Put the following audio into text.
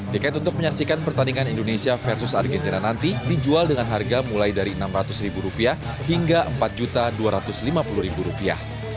tiket untuk menyaksikan pertandingan indonesia versus argentina nanti dijual dengan harga mulai dari enam ratus rupiah hingga empat dua ratus lima puluh rupiah